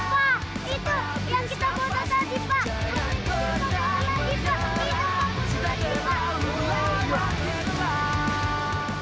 kita nyerah lu lelah lelah